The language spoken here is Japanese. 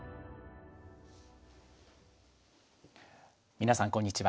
皆さんこんにちは。